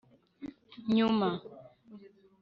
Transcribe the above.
nyuma